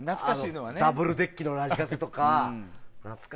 ダブルデッキのラジカセとか。